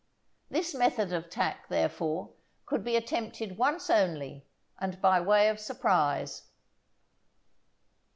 This method of attack, therefore, could be attempted once only and by way of surprise.